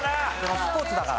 スポーツだから。